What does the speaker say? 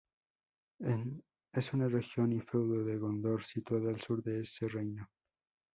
Es una región y feudo de Gondor, situada al sur de ese reino.